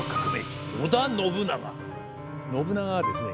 信長はですね